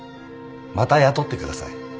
また雇ってください。